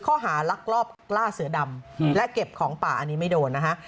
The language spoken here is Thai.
ลักลอบล่าเสือดำและเก็บของป่าอันนี้ไม่โดนนะฮะ